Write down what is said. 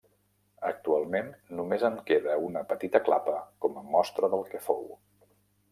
Actualment només en queda una petita clapa com a mostra del que fou.